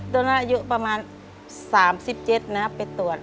ตอนนั้นอายุประมาณ๓๗นะไปตรวจ